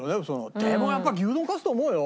でもやっぱ牛丼勝つと思うよ。